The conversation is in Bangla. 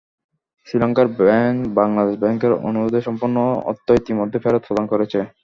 শ্রীলঙ্কার ব্যাংক বাংলাদেশ ব্যাংকের অনুরোধে সম্পূর্ণ অর্থ ইতিমধ্যে ফেরত প্রদান করেছে।